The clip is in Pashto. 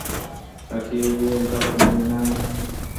ادې وويل دا خو مومنان دي.